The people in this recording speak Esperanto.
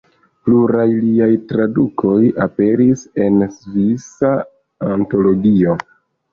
Pluraj liaj tradukoj aperis en Svisa antologio.